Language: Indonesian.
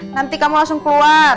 nanti kamu langsung keluar